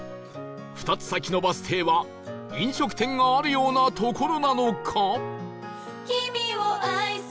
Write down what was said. ２つ先のバス停は飲食店があるような所なのか？